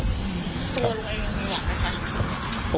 ตัวลูกไอ้ยังมีหวังหรือครับ